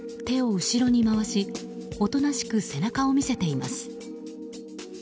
手を後ろに回しおとなしく背中を見せています。